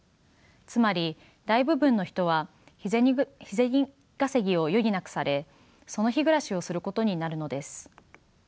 つまり大部分の人は日銭稼ぎを余儀なくされその日暮らしをすることになるのです。